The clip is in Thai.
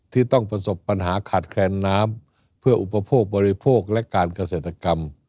ที่ต้องประสบปัญหาขาดแคลนน้ำเพื่ออุปโภคบริโภคและการเกษตรกรรม